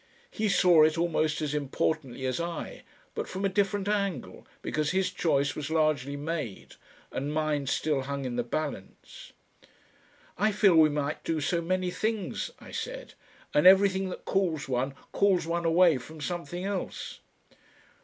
He saw it almost as importantly as I, but from a different angle, because his choice was largely made and mine still hung in the balance. "I feel we might do so many things," I said, "and everything that calls one, calls one away from something else."